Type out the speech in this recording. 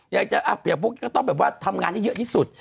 อย่างพวกก็ต้องแบบว่าทำงานให้เยอะที่สุด